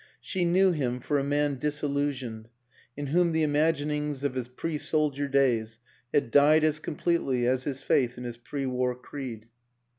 She knew him for a man disillusioned, in whom the imaginings of his pre soldier days had died as completely as his faith in his pre war creed.